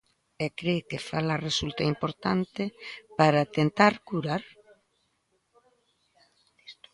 E cre que falar resulta importante para tentar curar?